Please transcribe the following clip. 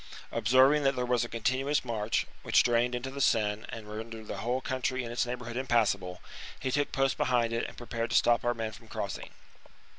Observing that there was a continuous marsh, which drained into the Seine and rendered the whole country in its neighbourhood impassable, 2 50 THE REBELLION book 52 B.C. he took post behind it and prepared to stop our men from crossing.